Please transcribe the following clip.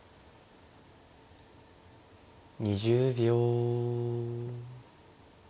２０秒。